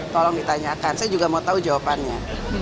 tolong ditanyakan saya juga mau tahu jawabannya